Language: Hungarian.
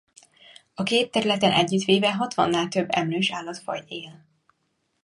A két területen együttvéve hatvannál több emlős állatfaj él.